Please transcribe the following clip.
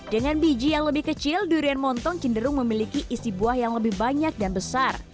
dengan biji yang lebih kecil durian montong cenderung memiliki isi buah yang lebih banyak dan besar